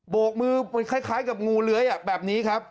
โกกมือคล้ายกับงูเลื้อยแบบนี้ครับ